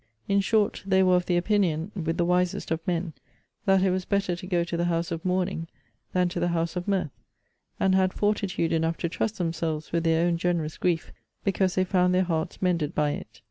In short, they were of the opinion, with the wisest of men, that it was better to go to the house of mourning, than to the house of mirth; and had fortitude enough to trust themselves with their own generous grief, because they found their hearts mended by it.